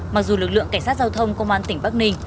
mặc dù lực lượng cảnh sát giao thông công an tỉnh bắc ninh